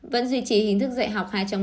vẫn duy trì hình thức dạy học hai trong một